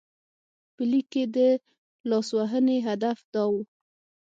په لیک کې د لاسوهنې هدف دا و.